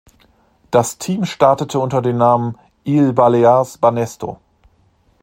Das Team startete unter dem Namen „Illes Balears-Banesto“.